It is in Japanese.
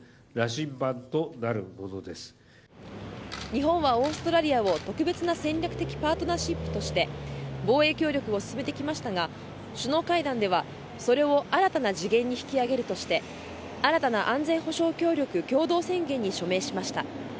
日本はオーストラリアは特別な戦略的パートナーシップとして防衛協力を進めてきましたが首脳会談ではそれを新たな次元に引き上げるとして新たな安全保障協力共同宣言に署名しました。